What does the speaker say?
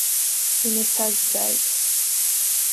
Инасазҵааит.